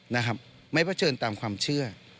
นะครับไม่เผชิญตามความเชื่อ